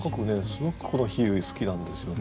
すごくこの比喩好きなんですよね。